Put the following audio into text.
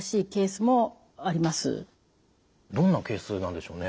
どんなケースなんでしょうね？